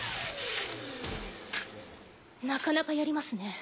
なかなかやりますね。